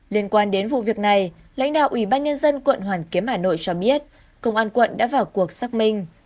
liên quan đến vụ việc này lãnh đạo ủy ban nhân dân quận hoàn kiếm hà nội cho biết công an quận đã vào cuộc xác minh